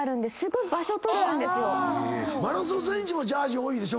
マラソン選手もジャージ多いでしょ。